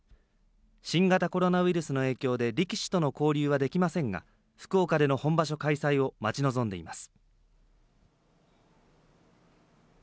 新型コロナウイルスの影響で力士との交流はできませんが福岡での本場所開催を待ち望んでいます。